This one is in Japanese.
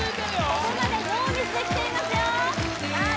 ここまでノーミスできていますよさあ